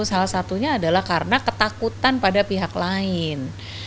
salah satunya adalah karena ketakutan pada pihak lain